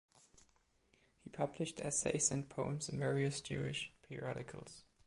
He published essays and poems in various Jewish periodicals.